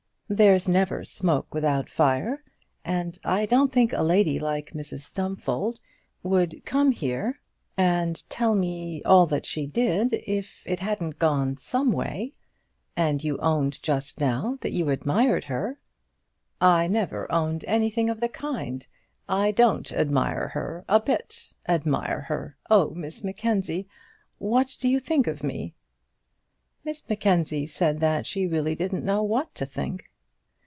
"There's never smoke without fire; and I don't think a lady like Mrs Stumfold would come here and tell me all that she did, if it hadn't gone some way. And you owned just now that you admired her." "I never owned anything of the kind. I don't admire her a bit. Admire her! Oh, Miss Mackenzie, what do you think of me?" Miss Mackenzie said that she really didn't know what to think.